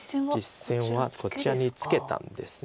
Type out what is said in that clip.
実戦はこちらにツケたんです。